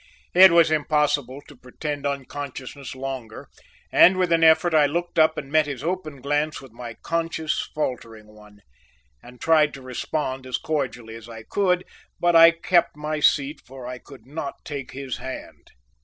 It was impossible to pretend unconsciousness longer and with an effort I looked up and met his open glance with my conscious, faltering one, and tried to respond as cordially as I could, but I kept my seat for I could not take his hand.